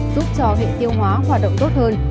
giúp cho hệ tiêu hóa hoạt động tốt hơn